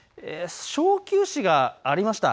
小休止がありました。